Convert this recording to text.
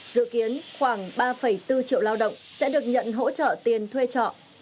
dự kiến khoảng ba bốn triệu lao động sẽ được nhận hỗ trợ tiền thuê trọ